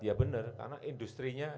ya benar karena industri nya